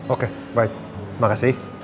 oke baik makasih